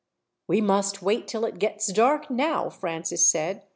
"We must wait till it gets dark now," Francis said.